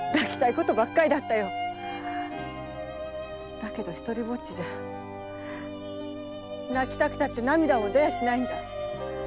だけど独りぼっちじゃ泣きたくたって涙も出やしないんだ。